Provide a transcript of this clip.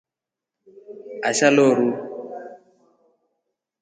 Asha loru.